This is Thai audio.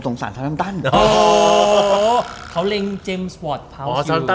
ฉันสักคันหนึ่งแล้วแหละ